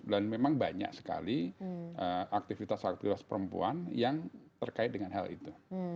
dan memang banyak sekali aktivitas aktivitas perempuan yang terkait dengan hal itu